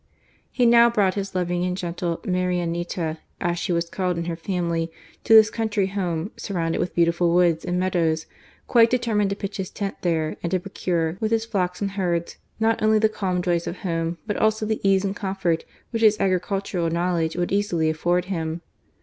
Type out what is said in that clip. He now brought his loving and gentle " Marianita," as she was called in her family, to this country home surrounded with beautiful woods and meadows, quite determined to pitch his tent there and to procure, with his flocks and herds, not only the calm joys of home, but also the ease and comfort which his agricultural knowledge would easily afford him.